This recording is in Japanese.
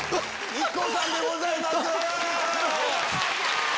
ＩＫＫＯさんでございます。